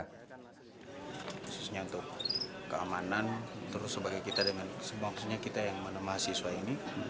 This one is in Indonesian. khususnya untuk keamanan terus sebagai kita dengan semua maksudnya kita yang mana mahasiswa ini